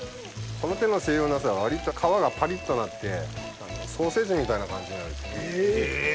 この手の西洋ナスは割と皮がパリっとなってソーセージみたいな感じになるんですね。